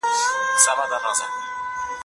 خصوصي سکتور به زیار وباسي.